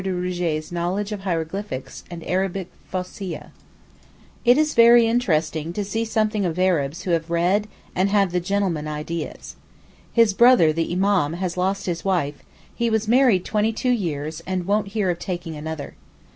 de Rougé's knowledge of hieroglyphics and Arabic Fosseeha. It is very interesting to see something of Arabs who have read and have the 'gentleman' ideas. His brother, the Imam, has lost his wife; he was married twenty two years, and won't hear of taking another.